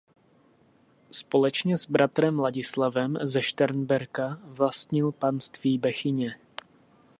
Společně s bratrem Ladislavem ze Šternberka vlastnil panství Bechyně.